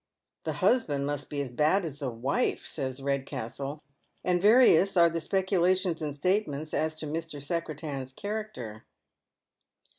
" The husband must be as bad as the wife," says Eedcastla and various are the speculations and statements as to Ml Secretan's character.